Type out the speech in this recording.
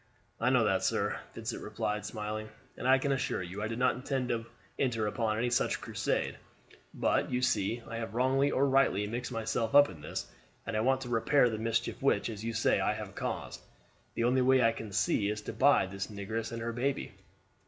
"I know that, sir," Vincent replied, smiling, "and I can assure you I did not intend to enter upon any such crusade; but, you see, I have wrongly or rightly mixed myself up in this, and I want to repair the mischief which, as you say, I have caused. The only way I can see is to buy this negress and her baby."